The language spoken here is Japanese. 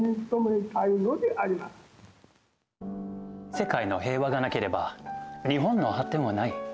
世界の平和がなければ日本の発展はない。